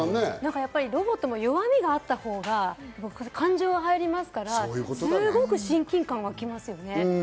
ロボットも弱みがあったほうが感情が入りますから、すごく親近感が湧きますよね。